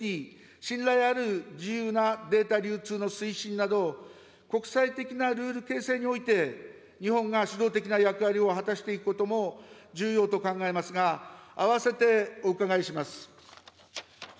信頼ある自由なデータ流通の推進など、国際的なルール形成において、日本が主導的な役割を果たしていくことも重要と考えますが、併せてお伺いします。